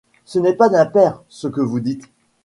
Ce n’est pas d’un père, ce que vous dites.